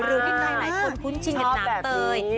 หรือที่ใครหลายคนคุ้นชินกับน้ำเตย